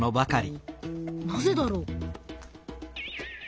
なぜだろう？